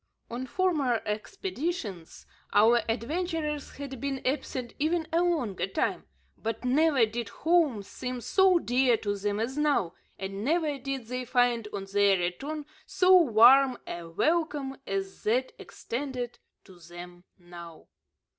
On former expeditions our adventurers had been absent even a longer time, but never did home seem so dear to them as now, and never did they find on their return so warm a welcome as that extended to them now.